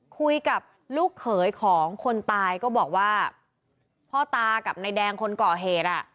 คุยกับลูกเขยของคนตายก็บอกว่าพ่อตากับนายแดงคนก่อเหตุอ่ะ